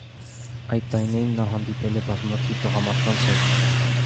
Այդ տարիներին նա հանդիպել է բազմաթիվ տղամարդկանց հետ։